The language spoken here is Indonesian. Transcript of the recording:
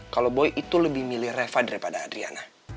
kalau boy itu lebih milih reva daripada adriana